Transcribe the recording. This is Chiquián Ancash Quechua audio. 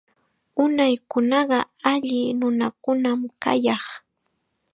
Unaykunaqa alli nunakunam kayaq.